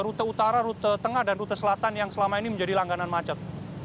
rute utara rute tengah dan rute selatan yang selama ini menjadi langganan macet